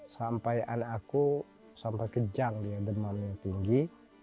sampai anak aku sampai kejang dia demamnya tinggi